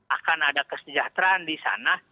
akan ada kesejahteraan di sana